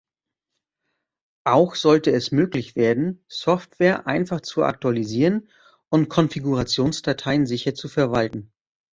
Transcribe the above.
Auch sollte es möglich werden, Software einfach zu aktualisieren und Konfigurationsdateien sicher zu verwalten.